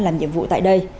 làm nhiệm vụ tại đây